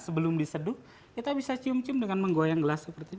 sebelum diseduh kita bisa cium cium dengan menggoyang gelas seperti itu